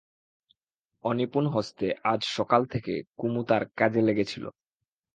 অনিপুণ হস্তে আজ সকাল থেকে কুমু তার কাজে লেগেছিল।